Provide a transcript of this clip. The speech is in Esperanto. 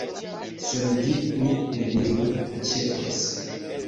Sen vi mi nenion aĉetos.